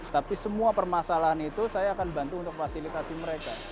tapi semua permasalahan itu saya akan bantu untuk fasilitasi mereka